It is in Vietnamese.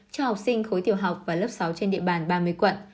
cho học sinh khối tiểu học và lớp sáu trên địa bàn ba mươi quận